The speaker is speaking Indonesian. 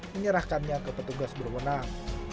menyerahkannya ke petugas berwenang